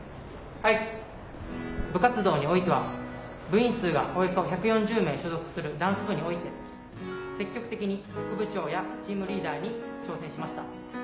はい部活動においては部員数がおよそ１４０名所属するダンス部において積極的に副部長やチームリーダーに挑戦しました。